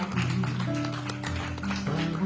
ดีจริง